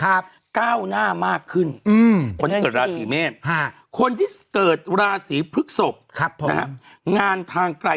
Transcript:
แล้วภาพหลักในการยาย